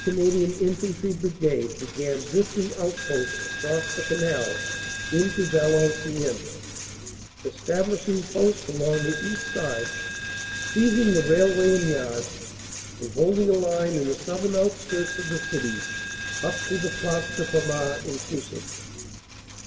Canadian Infantry Brigade CAPTURE OF VALENCIENNES 367 began drifting outposts across the canal into Valenciennes, establishing posts along the east side, seizing the railway and yards, and holding a line in the southern outskirts of the city up to the Place de Famars inclusive.